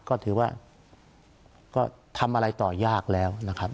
ก็ถือว่าก็ทำอะไรต่อยากแล้วนะครับ